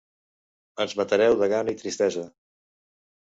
Ens matareu de gana i tristesa.